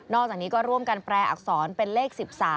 อกจากนี้ก็ร่วมกันแปลอักษรเป็นเลข๑๓